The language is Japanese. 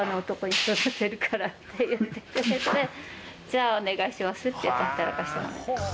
じゃあお願いしますって言って。